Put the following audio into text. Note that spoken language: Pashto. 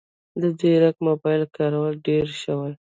د ځیرک موبایل کارول ډېر شوي